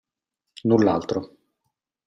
Null'altro.